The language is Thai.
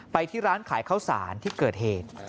ไปที่ร้านขายข้าวสารที่เกิดเหตุ